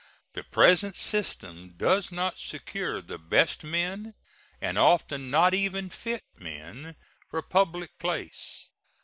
The present system does not secure the best men, and often not even fit men, for public place.